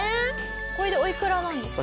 「これでおいくらなんですか？」